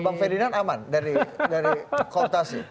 kalau pak ferdinand aman dari kooptasi